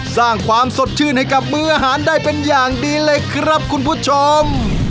สร้างความสดชื่นให้กับมืออาหารได้เป็นอย่างดีเลยครับคุณผู้ชม